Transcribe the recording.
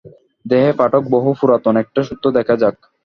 দেখ পাঠক বহু পুরাতন একটা সূত্র দেখা যাক।